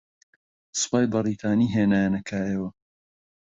سوپای بەریتانی ھێنایانە کایەوە